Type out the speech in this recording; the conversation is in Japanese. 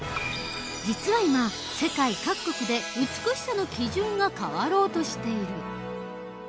実は今世界各国で美しさの基準が変わろうとしている。